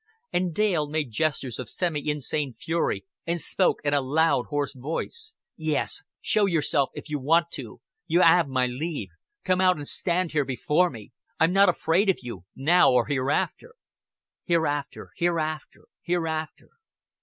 And Dale made gestures of semi insane fury, and spoke in a loud, hoarse voice. "Yes, show yourself if you want to. You 'aarve my leave. Come out an' stan' here before me. I'm not afraid of you now or hereafter." "Hereafter hereafter hereafter."